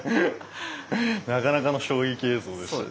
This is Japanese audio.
なかなかの衝撃映像でした。